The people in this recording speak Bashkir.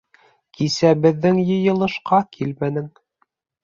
Кисә беҙҙең йыйылышҡа килмәнең.